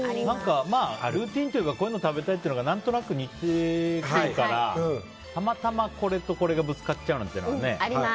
まあ、ルーティンというかこういうの食べたいっていうのが何となく似てくるからたまたま、これとこれがぶつかっちゃうみたいなことはね。